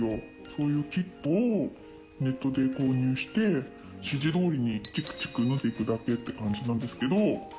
そういうキットをネットで購入して、指示通りにチクチク縫っていくだけって感じなんですけど。